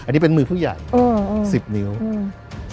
อันนี้เป็นมือผู้ใหญ่อืมสิบนิ้วอืม